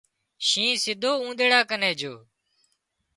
شينهن سِڌو اونۮيڙا ڪنين جھو